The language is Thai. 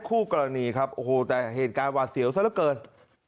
คุยกันเรื่องต้นก็ได้ให้มาคุยกันที่ของพรรดิ